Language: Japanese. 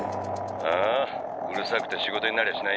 「ああうるさくて仕事になりゃしないよ」